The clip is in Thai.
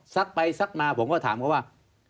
ไปซักมาผมก็ถามเขาว่า